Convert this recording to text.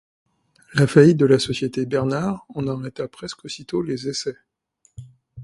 La faillite de la Société Bernard en arrêta presque aussitôt les essais.